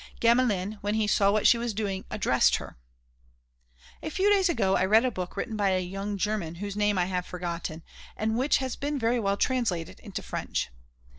Gamelin, when he saw what she was doing, addressed her: "A few days ago I read a book written by a young German whose name I have forgotten, and which has been very well translated into French.